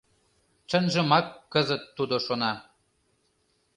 Чынжымак кызыт тудо шона.